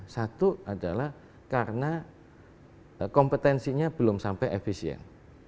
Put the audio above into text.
satu adalah karena kompetensinya belum sampai efisien